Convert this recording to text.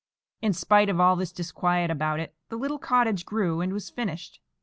In spite of all this disquiet about it, the little cottage grew and was finished.